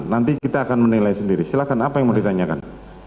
nanti kita akan menilai sendiri silahkan apa yang mau ditanyakan